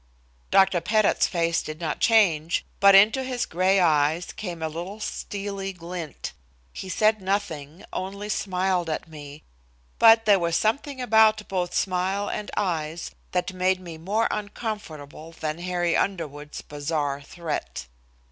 Dr. Pettit's face did not change, but into his gray eyes came a little steely glint. He said nothing, only smiled at me. But there was something about both smile and eyes that made me more uncomfortable than Harry Underwood's bizarre threat.